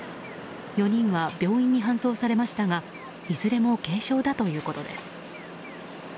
４人は病院に搬送されましたがいずれも軽傷だということです。